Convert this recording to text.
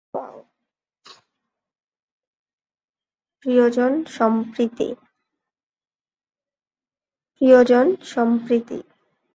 প্রিয়জন, সম্প্রতি?